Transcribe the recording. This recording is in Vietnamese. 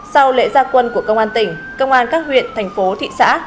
sau lễ gia quân của công an tỉnh công an các huyện thành phố thị xã